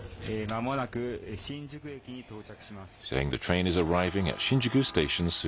まもなく新宿駅に到着します。